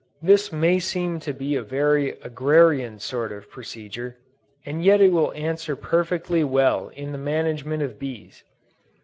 This may seem to be a very Agrarian sort of procedure, and yet it will answer perfectly well in the management of bees.